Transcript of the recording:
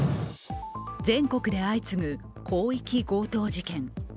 全国で相次ぐ広域強盗事件。